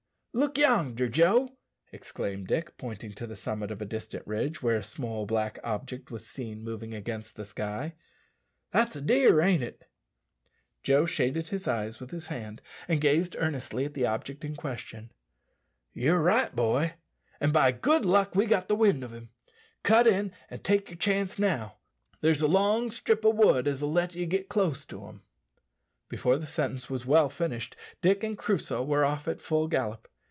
"Look yonder, Joe," exclaimed Dick, pointing to the summit of a distant ridge, where a small black object was seen moving against the sky, "that's a deer, ain't it?" Joe shaded his eyes with his hand, and gazed earnestly at the object in question. "Ye're right, boy; and by good luck we've got the wind of him. Cut in an' take your chance now. There's a long strip o' wood as'll let ye git close to him." Before the sentence was well finished Dick and Crusoe were off at full gallop.